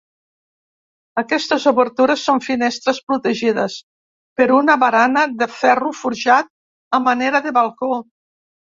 Aquestes obertures són finestres protegides per una barana de ferro forjat a manera de balcó.